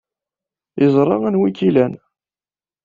Yeẓra anwa ay ken-ilan.